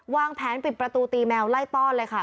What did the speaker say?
วางแผนปิดประตูตีแมวไล่ต้อนเลยค่ะ